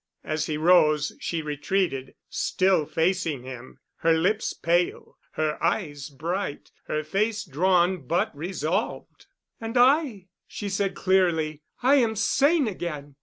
As he rose, she retreated, still facing him, her lips pale, her eyes bright, her face drawn but resolved. "And I," she said clearly, "I am sane again.